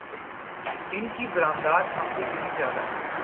ان کی برآمدات ہم سے کہیں زیادہ ہیں۔